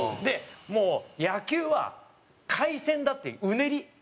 もう野球は回旋だってうねり。